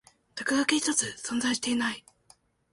落書き一つ存在していない